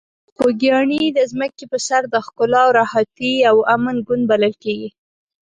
خوږیاڼي د ځمکې په سر د ښکلا، راحتي او امن ګوند بلل کیږي.